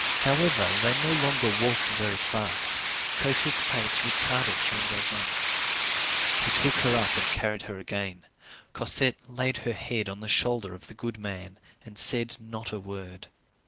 However, they no longer walked very fast. Cosette's pace retarded Jean Valjean's. He took her up and carried her again. Cosette laid her head on the shoulder of the good man and said not a word.